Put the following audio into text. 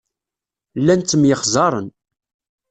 Llan ttemyexzaren.